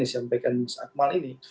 disampaikan mas akmal ini